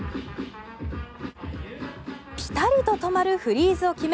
ピタリと止まるフリーズを決め